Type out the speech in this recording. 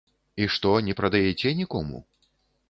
І што не прадаеце нікому?